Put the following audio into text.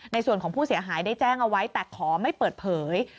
ในส่วนของผู้เสียหายได้แจ้งเอาไว้แต่ขอไม่เปิดเผย